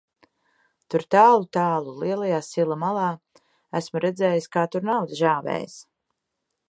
Tur tālu, tālu lielajā sila malā, esmu redzējis, kā tur nauda žāvējas.